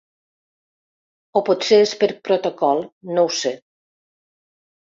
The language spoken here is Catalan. O potser és per protocol, no ho sé.